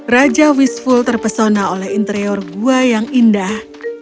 raja wisful terpesona oleh interior gua yang indah